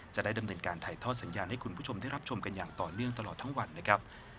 จะได้ดำเนินการถ่ายทอดสัญญาณให้คุณผู้ชมได้รับชมกันอย่างต่อเนื่องตลอดทั้งวันนะครับ